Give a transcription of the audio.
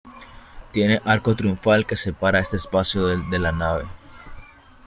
Tiene arco triunfal, que separa este espacio del de la nave.